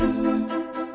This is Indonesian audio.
terima kasih pak